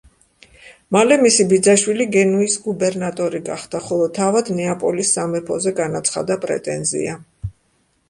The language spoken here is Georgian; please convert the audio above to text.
მალე მისი ბიძაშვილი გენუის გუბერნატორი გახდა, ხოლო თავად ნეაპოლის სამეფოზე განაცხადა პრეტენზია.